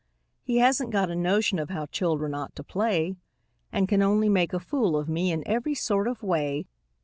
He hasn't got a notion of how children ought to play, And can only make a fool of me in every sort of way.